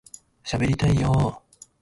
しゃべりたいよ～